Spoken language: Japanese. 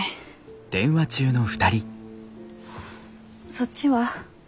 そっちは？